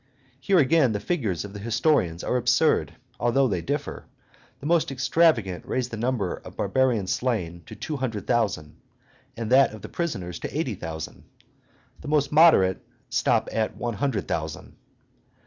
Here again the figures of the historians are absurd, although they differ; the most extravagant raise the number of barbarians slain to two hundred thousand, and that of the prisoners to eighty thousand; the most moderate stop at one hundred thousand.